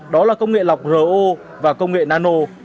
đó là công nghệ lọc ro và công nghệ nano